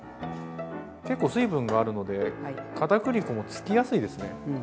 結構水分があるのでかたくり粉もつきやすいですね。